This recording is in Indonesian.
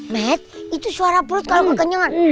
matt itu suara perut kalau gue kenyan